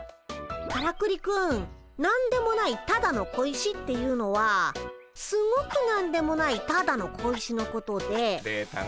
からくりくん何でもないただの小石っていうのはすごく何でもないただの小石のことで。